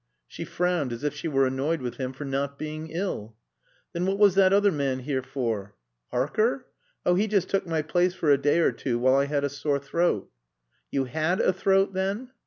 She frowned as if she were annoyed with him for not being ill. "Then what was that other man here for?" "Harker? Oh, he just took my place for a day or two while I had a sore throat." "You had a throat then?"